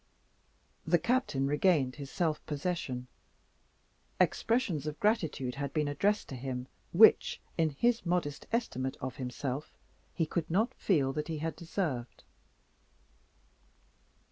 The Captain regained his self possession. Expressions of gratitude had been addressed to him which, in his modest estimate of himself, he could not feel that he had deserved.